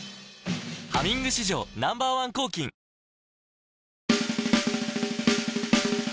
「ハミング」史上Ｎｏ．１抗菌チアーズ！